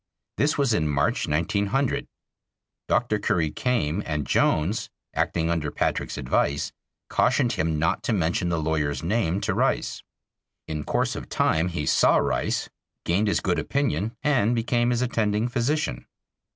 This was in March, 1900. Dr. Curry came, and Jones, acting under Patrick's advice, cautioned him not to mention the lawyer's name to Rice. In course of time he saw Rice, gained his good opinion and became his attending physician.